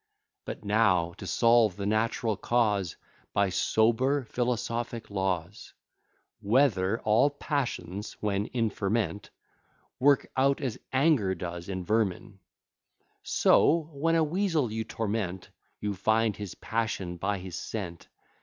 But now, to solve the natural cause By sober philosophic laws; Whether all passions, when in ferment, Work out as anger does in vermin; So, when a weasel you torment, You find his passion by his scent.